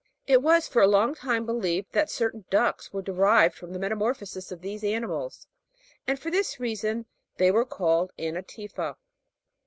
It was for a long time believed that certain ducks were derived from the metamorphosis of these ani mals; and for this reason they were called nna'tifa.